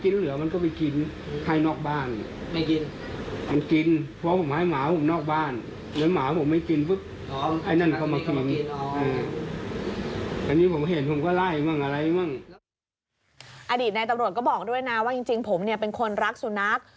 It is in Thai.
อดีตในตำรวจก็บอกด้วยนะว่าจริงผมเนี่ยเป็นคนรักสุนัข